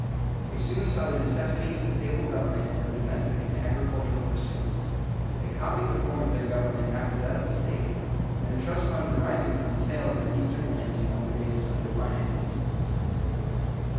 They soon saw the necessity of a stable government and of domestic and agricultural pursuits. They copied the form of their government after that of the States, and the trust funds arising from the sale of their eastern lands formed the basis of their finances.